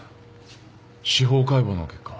司法解剖の結果は？